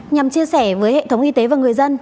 nhằm chia sẻ với hệ thống y tế và người dân